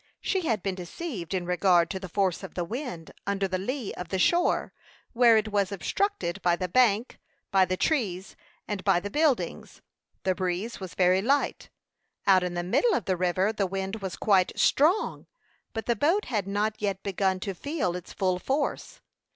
She had been deceived in regard to the force of the wind; under the lee of the shore, where it was obstructed by the bank, by the trees, and by the buildings, the breeze was very light: out in the middle of the river the wind was quite strong; but the boat had not yet begun to feel its full force.